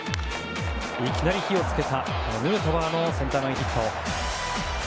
いきなり火を付けたヌートバーのセンター前ヒット。